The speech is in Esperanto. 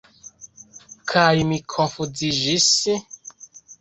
Kaj mi konfuziĝis.